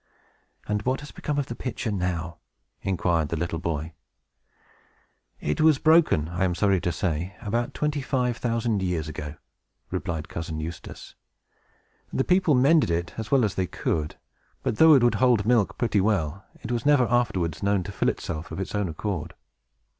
"And what has become of the pitcher now?" inquired the little boy. "It was broken, I am sorry to say, about twenty five thousand years ago," replied Cousin Eustace. "The people mended it as well as they could, but, though it would hold milk pretty well, it was never afterwards known to fill itself of its own accord.